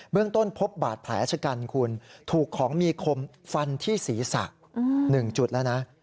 เรื่องต้นพบบาดแผลชะกันคุณถูกของมีคมฟันที่ศีรษะ๑จุดแล้วนะ